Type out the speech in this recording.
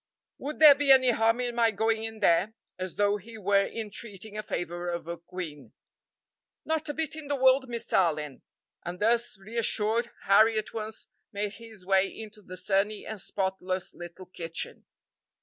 "Would there be any harm in my going in there?" as though he were entreating a favor of a queen. "Not a bit in the world, Mr. Allyn;" and thus reassured Harry at once made his way into the sunny and spotless little kitchen.